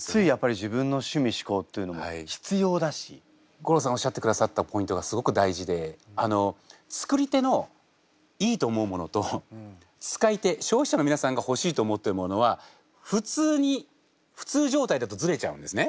吾郎さんおっしゃってくださったポイントがすごく大事であの作り手のいいと思うものと使い手消費者の皆さんがほしいと思ってるものは普通に普通状態だとズレちゃうんですね。